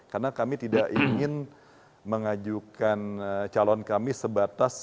karena kami tidak ingin mengajukan calon kami sebatas